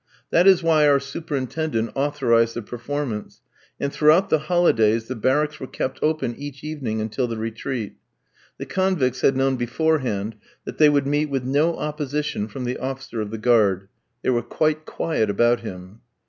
That is why our superintendents authorised the performance; and throughout the holidays the barracks were kept open each evening until the retreat. The convicts had known beforehand that they would meet with no opposition from the officer of the guard. They were quite quiet about him.